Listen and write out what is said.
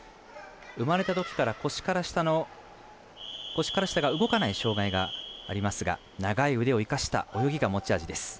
生まれたときから腰から下が動かない障がいがありますが長い腕を生かした泳ぎが持ち味です。